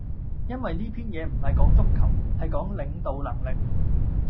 因為呢篇嘢唔係講足球，係講領導能力